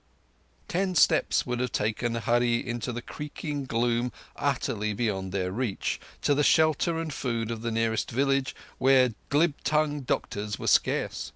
Ten steps would have taken Hurree into the creaking gloom utterly beyond their reach—to the shelter and food of the nearest village, where glib tongued doctors were scarce.